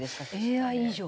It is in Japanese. ＡＩ以上？